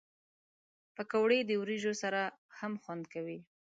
پکورې د وریجو سره هم خوند کوي